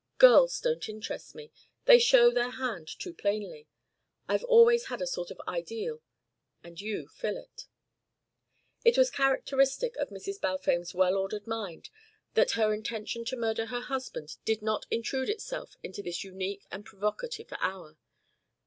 Girls don't interest me. They show their hand too plainly. I've always had a sort of ideal and you fill it." It was characteristic of Mrs. Balfame's well ordered mind that her intention to murder her husband did not intrude itself into this unique and provocative hour.